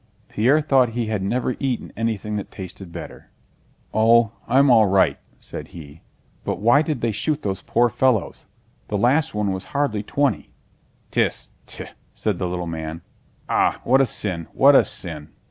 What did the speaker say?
Pierre thought he had never eaten anything that tasted better. "Oh, I'm all right," said he, "but why did they shoot those poor fellows? The last one was hardly twenty." "Tss, tt...!" said the little man. "Ah, what a sin... what a sin!"